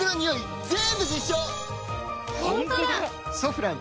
ホントだ！